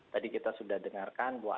tadi kita sudah dengarkan bahwa